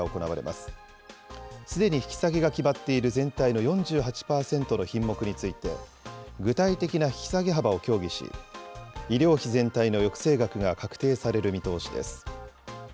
すでに引き下げが決まっている全体の４８％の品目について、具体的な引き下げ幅を協議し、医療費全体の抑制額が確定される見通しです。